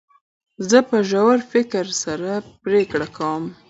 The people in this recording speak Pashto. زه په ژور فکر سره پرېکړي کوم.